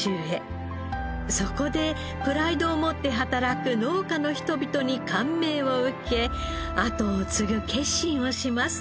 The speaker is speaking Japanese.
そこでプライドを持って働く農家の人々に感銘を受け後を継ぐ決心をします。